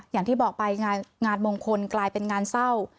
อย่างที่บอกไปงานมงคลกลายเป็นงานเศร้า